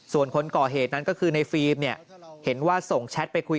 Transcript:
ส่วนคนก่อเหตุนั้นก็คือในฟิล์มเนี่ยเห็นว่าส่งแชทไปคุย